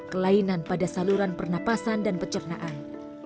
kelainan pada saluran pernapasan dan pencernaan